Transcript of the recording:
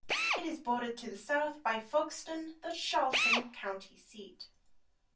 It is bordered to the south by Folkston, the Charlton County seat.